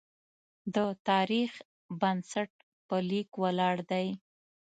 د تاریخ بنسټ په لیک ولاړ دی.